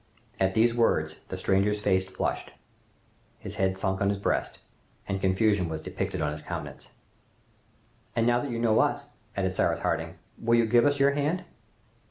At these words the stranger's face flushed, his head sunk on his breast, and confusion was depicted on his countenance. "And now that you know us," added Cyrus Harding, "will you give us your hand?"